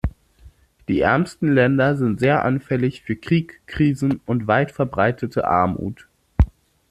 Die ärmsten Länder sind sehr anfällig für Krieg, Krisen und weit verbreitete Armut.